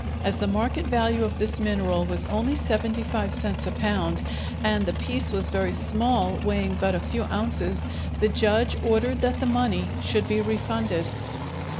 As the market value of this mineral was only seventy five cents a pound, and the piece was very small, weighing but a few ounces, the judge ordered that the money should be refunded.